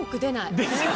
ですよね！